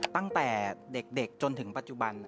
ตั้งแต่เด็กจนถึงปัจจุบัน